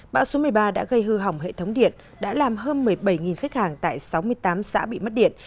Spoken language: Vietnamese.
bão số một mươi ba đã gây hư hỏng hệ thống điện đã làm hơn một mươi bảy khách hàng tại sáu mươi tám xã bị mất điện